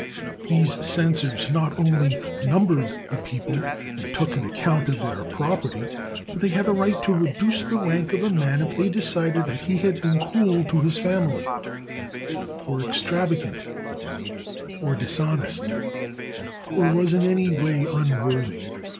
These censors not only numbered the people and took an account of their prop erty, but they had a right to reduce the rank of a man if they decided that he had been cruel to his family, or extravagant, or dishonest, or was in any way unworthy.